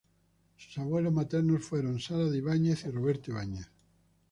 Sus abuelos maternos fueron Sara de Ibáñez y Roberto Ibáñez.